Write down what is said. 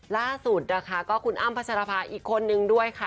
ล่าสุดนะคะก็คุณอ้ำพัชรภาอีกคนนึงด้วยค่ะ